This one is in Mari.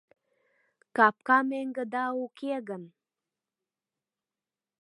Капка меҥгыда уке гын